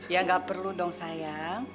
ya nggak perlu dong sayang